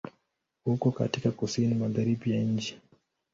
Uko katika Kusini Magharibi ya nchi.